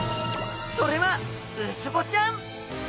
それはウツボちゃん。